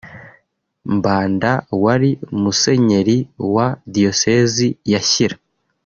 Mbanda wari Musenyeri wa Diyosezi ya Shyira